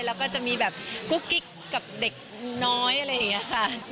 แล้วก็จะมีแบบกุ๊กกิ๊กกับเด็กน้อยอะไรอย่างนี้ค่ะ